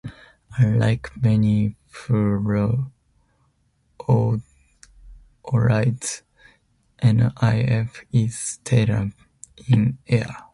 Unlike many fluorides, NiF is stable in air.